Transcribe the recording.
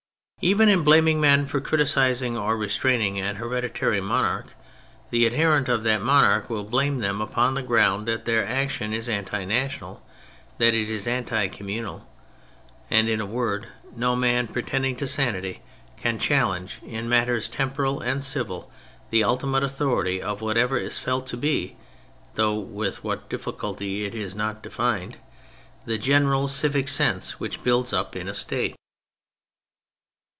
Even in blaming men for criticising or restraining an hereditary monarch the adherent of that monarch will blame them upon the ground that their action is anti national, that is anti communal; and, in a word, no man pretending to sanity can challenge in matters temporal and civil the ultimate authority of whatever is felt to be (though with what difficulty is it not defined !) the general civic sense which builds up a State.